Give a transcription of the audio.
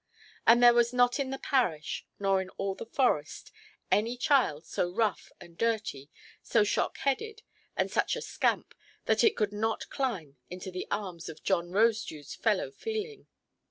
And there was not in the parish, nor in all the forest, any child so rough and dirty, so shock–headed, and such a scamp, that it could not climb into the arms of John Rosedewʼs fellow–feeling.